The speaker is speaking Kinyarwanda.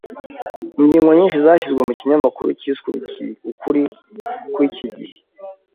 ingingo nyinshi zashyizwe mu kinyamakuru cyiswe Ukuri kw’iki gihe.